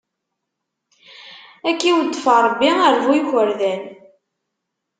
Ad k-iweddef Ṛebbi ar bu ikurdan!